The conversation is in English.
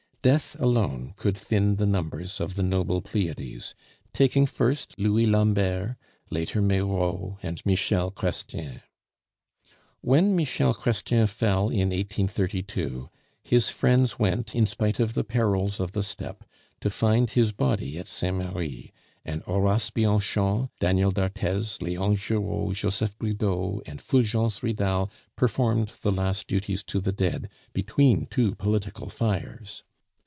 Death alone could thin the numbers of the noble Pleiades, taking first Louis Lambert, later Meyraux and Michel Chrestien. When Michel Chrestien fell in 1832 his friends went, in spite of the perils of the step, to find his body at Saint Merri; and Horace Bianchon, Daniel d'Arthez, Leon Giraud, Joseph Bridau, and Fulgence Ridal performed the last duties to the dead, between two political fires.